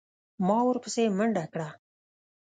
ما ورپسې منډه کړه.